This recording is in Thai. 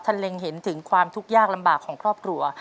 เล็งเห็นถึงความทุกข์ยากลำบากของครอบครัว